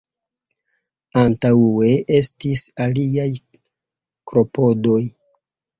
Antaŭe estis aliaj klopodoj.